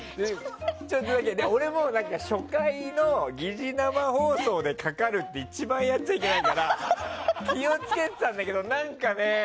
俺も、初回の擬似生放送でかかるって一番やっちゃいけないから気を付けてたんだけど何かね。